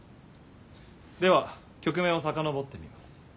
では局面を遡ってみます。